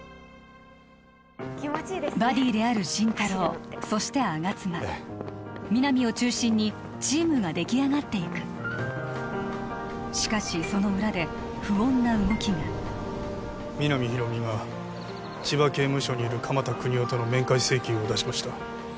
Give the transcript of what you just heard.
バディである心太朗そして吾妻皆実を中心にチームが出来上がっていくしかしその裏で不穏な動きが皆実広見が千葉刑務所にいる鎌田國士との面会請求を出しました